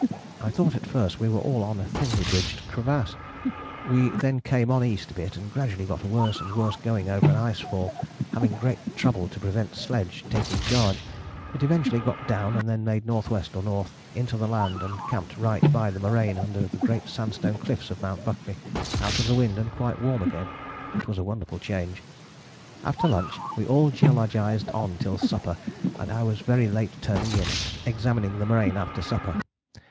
I thought at first we were all on a thinly bridged crevasse. We then came on east a bit, and gradually got worse and worse going over an ice fall, having great trouble to prevent sledge taking charge, but eventually got down and then made N.W. or N. into the land, and camped right by the moraine under the great sandstone cliffs of Mt. Buckley, out of the wind and quite warm again: it was a wonderful change. After lunch we all geologized on till supper, and I was very late turning in, examining the moraine after supper.